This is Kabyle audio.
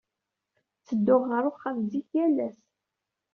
Ttedduɣ ɣer uxxam zik yal ass.